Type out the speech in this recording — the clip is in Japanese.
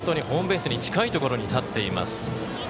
本当にホームベースに近いところに立っています。